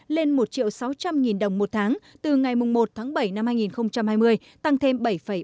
lên một sáu triệu đồng một tháng từ ngày một tháng bảy năm hai nghìn hai mươi tăng thêm bảy ba mươi tám